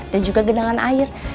dan juga genangan air